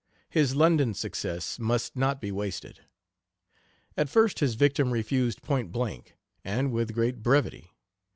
His London success must not be wasted. At first his victim refused point blank, and with great brevity.